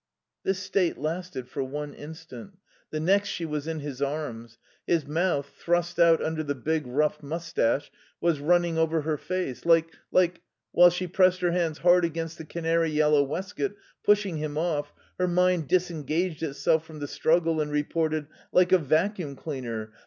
This state lasted for one instant. The next she was in his arms. His mouth, thrust out under the big, rough moustache, was running over her face, like like while she pressed her hands hard against the canary yellow waistcoat, pushing him off, her mind disengaged itself from the struggle and reported like a vacuum cleaner.